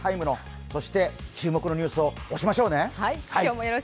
そして注目のニュースを押しましょうね。